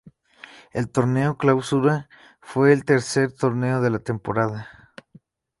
El Torneo Clausura fue el tercer torneo de la temporada.